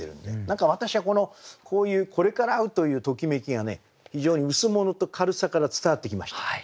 何か私はこのこういうこれから会うというときめきがね非常に羅と軽さから伝わってきました。